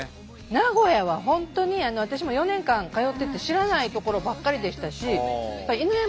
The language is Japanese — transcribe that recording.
名古屋は本当に私も４年間通ってて知らないところばっかりでしたし犬山